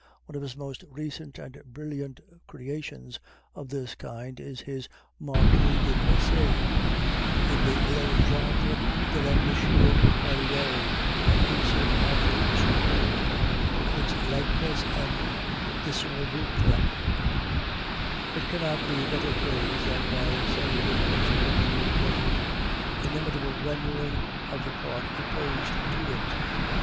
One of his most recent and brilliant "creations" of this kind is his Marquis de Presles in "Le Gendre de M. Poirier" a piece of acting superb for its lightness and désinvolture. It cannot be better praised than by saying it was worthy of Got's inimitable rendering of the part opposed to it.